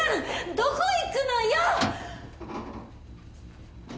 どこ行くのよ！